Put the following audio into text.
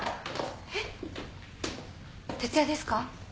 えっ徹夜ですか？